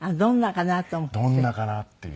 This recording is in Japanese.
どんなかなと思って？